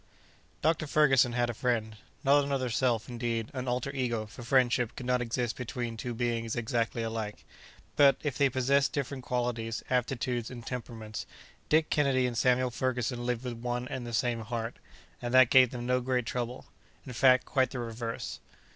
Dr. Ferguson had a friend—not another self, indeed, an alter ego, for friendship could not exist between two beings exactly alike. But, if they possessed different qualities, aptitudes, and temperaments, Dick Kennedy and Samuel Ferguson lived with one and the same heart, and that gave them no great trouble. In fact, quite the reverse.